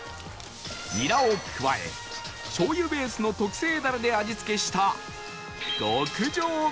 ニラを加え醤油ベースの特製ダレで味付けした